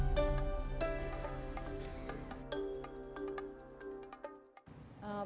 dan juga di dalam kota kota lainnya